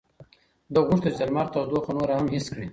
ده غوښتل چې د لمر تودوخه نوره هم حس کړي.